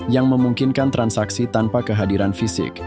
yang memungkinkan transaksi tanpa kehadiran fisik